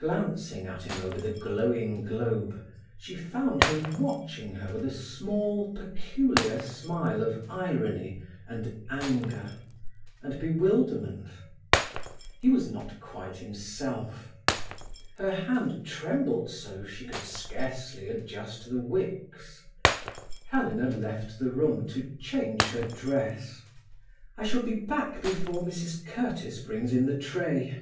Glancing at him over the glowing globe, she found him watching her with a small, peculiar smile of irony, and anger, and bewilderment. He was not quite himself. Her hand trembled so, she could scarcely adjust the wicks. Helena left the room to change her dress. "I shall be back before Mrs Curtiss brings in the tray.